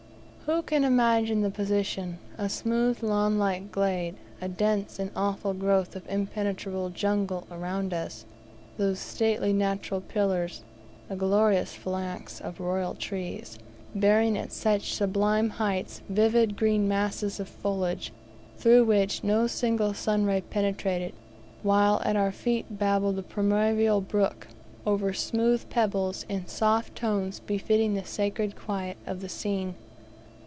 Who can imagine the position? A smooth lawn like glade; a dense and awful growth of impenetrable jungle around us; those stately natural pillars a glorious phalanx of royal trees, bearing at such sublime heights vivid green masses of foliage, through which no single sun ray penetrated, while at our feet babbled the primeval brook, over smooth pebbles, in soft tones befitting the sacred quiet of the scene!